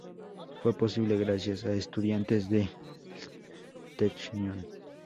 Fue posible gracias a estudiantes del Technion.